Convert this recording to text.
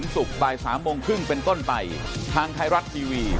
สวัสดีครับ